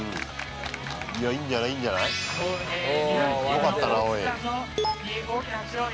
よかったな、おい。